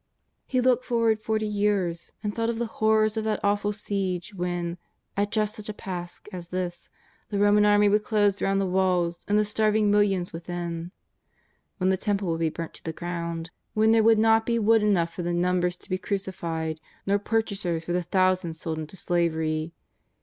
He looked forward forty years and thought of the horrors JESUS OF NAZAEETH. 311 of that awful siege when, at just such a Pasch as this, the Roman army would close round the walls and the starving millions within; when the Temple would be burnt to the ground; when there would not be wood enough for the numbers to be crucified^ nor purchasers for the thousands sold into slavery.